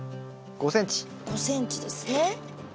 ５ｃｍですね。